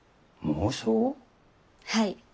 はい。